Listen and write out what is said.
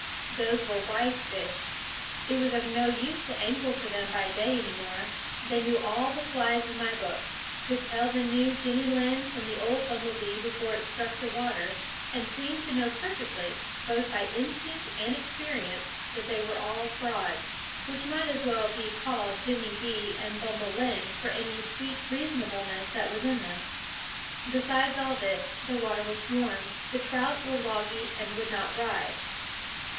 Those were wise fish. It was of no use to angle for them by day any more. They knew all the flies in my book; could tell the new Jenny Lind from the old Bumble Bee before it struck the water; and seemed to know perfectly, both by instinct and experience, that they were all frauds, which might as well be called Jenny Bee and Bumble Lind for any sweet reasonableness that was in them. Besides all this, the water was warm; the trout were logy and would not rise.